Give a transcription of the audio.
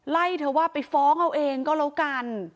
ไล่เธอว่าไปฟ้องเอาเองก็แล้วกัน